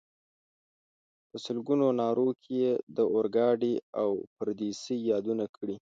په سلګونو نارو کې یې د اورګاډي او پردیسۍ یادونه کړې.